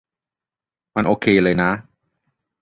มันโอเคเลยนะ